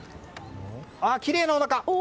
きれいなおなか。